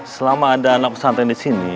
selama ada anak pesantren disini